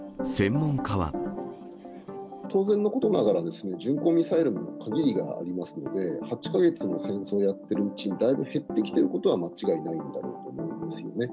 当然のことながらですね、巡航ミサイルにも限りがありますので、８か月の戦争をやっているうちに、だいぶ減ってきてることは間違いないんだろうと思うんですよね。